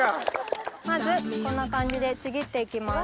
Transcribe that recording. まずこんな感じでちぎって行きます。